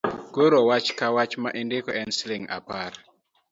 Koro wach Ka wach ma indiko en shilling apar.